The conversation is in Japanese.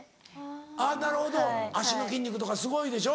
あっなるほど足の筋肉とかすごいでしょ？